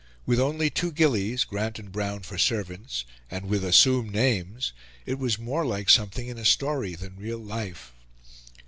With only two gillies Grant and Brown for servants, and with assumed names. It was more like something in a story than real life.